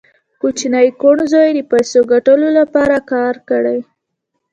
کوچني کوڼ زوی یې د پیسو ګټلو لپاره کار کړی